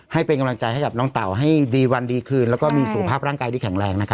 ให้เป็นกำลังใจให้กับน้องเต๋าให้ดีวันดีคืนแล้วก็มีสุขภาพร่างกายที่แข็งแรงนะครับ